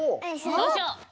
そうしよう！